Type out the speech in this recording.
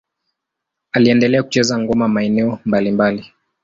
Aliendelea kucheza ngoma maeneo mbalimbali.